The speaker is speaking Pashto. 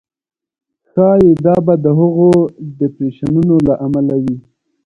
ښایي دا به د هغو ډېپریشنونو له امله وي.